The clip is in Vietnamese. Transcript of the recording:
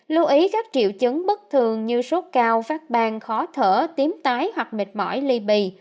lưu ý các triệu chứng bất thường như sốt cao phát bang khó thở tím tái hoặc mệt mỏi ly bì